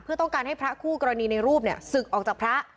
เพื่อต้องการให้พระคู่กรณีในรูปศึกออกจากพระ